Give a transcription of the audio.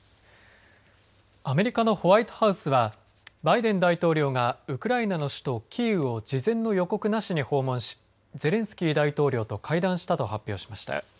アメリカのホワイトハウスはバイデン大統領がウクライナの首都キーウを事前の予告なしに訪問しゼレンスキー大統領と会談したと発表しました。